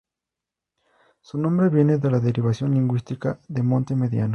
Su nombre viene de la derivación lingüística de Monte Mediano.